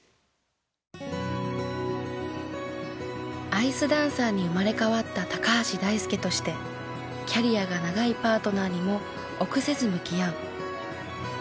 アイスダンサーに生まれ変わった高橋大輔としてキャリアが長いパートナーにも臆せず向き合う。